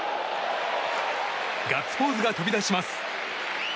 ガッツポーズが飛び出します。